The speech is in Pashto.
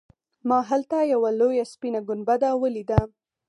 ما هلته یوه لویه سپینه ګنبده ولیده.